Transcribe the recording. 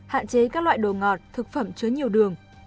hạn chế các loại đồ ngọt thực phẩm chứa nhiều đường